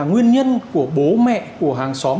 nguyên nhân của bố mẹ của hàng xóm